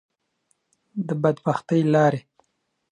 د بدبختی لارې.